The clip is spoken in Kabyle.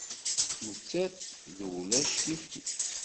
Nettat d wulac kifkif.